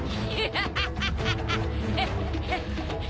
ハハハハ！